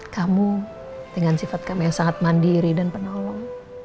kamu dengan sifat kamu yang sangat mandiri dan penolong